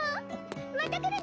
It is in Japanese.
また来るね！